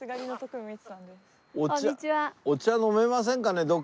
お茶飲めませんかね？